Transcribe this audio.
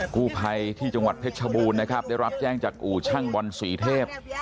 กู้ภัยที่จังหวัดเพชรชบูรณ์นะครับได้รับแจ้งจากอู่ช่างบอลศรีเทพ